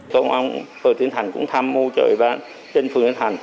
công an phường tiến thành cũng tham mưu cho ủy ban trên phường yên thành